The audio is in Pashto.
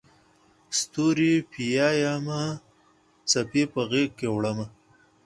ستوري پېیمه څپې په غیږکې وړمه